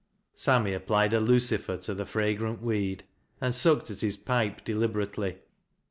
Sammy applied a lueifer to the fragrant weed, and sucked at his pipe deliberately.